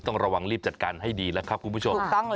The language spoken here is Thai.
ต้องระวังรีบจัดการให้ดีแล้วครับคุณผู้ชม